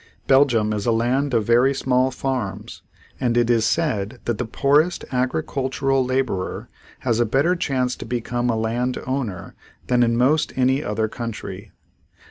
Belgium is a land of very small farms and it is said that the poorest agricultural laborer has a better chance to become a land owner than in most any other country.